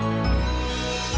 harusnya rasti sama gue